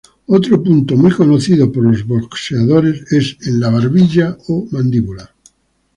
Otro punto muy conocido por los boxeadores es en la barbilla o mandíbula.